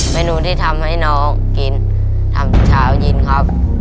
เมนูที่ทำให้น้องกินทำเช้ากินครับ